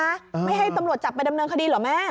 ไม่ให้ตำรวจจับไปดำเนินคดีเหรอแม่